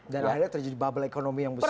dan akhirnya terjadi bubble ekonomi yang besar